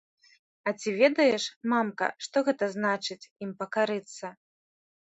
А ці ведаеш, мамка, што гэта значыць ім пакарыцца?